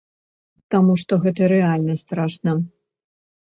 Таму што гэта рэальна страшна.